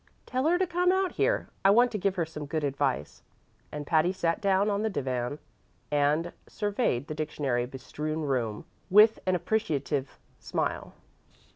"Tell her to come out here; I want to give her some good advice"; and Patty sat down on the divan and surveyed the dictionary bestrewn room with an appreciative smile.